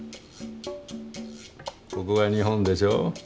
ここが日本でしょ。